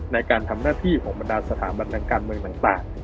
ในการทำหน้าที่ของบรรดาสถาบันทางการเมืองต่าง